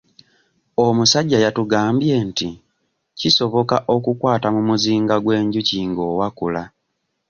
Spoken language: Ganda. Omusajja yatugambye nti kisoboka okukwata mu muzinga gw'enjuki ng'owakula.